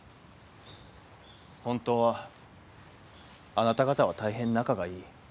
本当はあなた方は大変仲がいい。